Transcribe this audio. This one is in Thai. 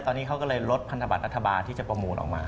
ตอนนี้เขาก็เลยลดพันธบัตรรัฐบาลที่จะประมูลออกมา